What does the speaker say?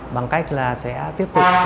bằng cách là sẽ tiếp tục